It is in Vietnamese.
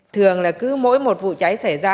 thường là cứ mỗi một vụ cháy xảy ra